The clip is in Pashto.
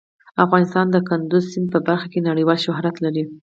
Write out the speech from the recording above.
افغانستان د کندز سیند په برخه کې نړیوال شهرت لري.